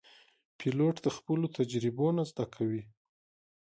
پیلوټ د خپلو تجربو نه زده کوي.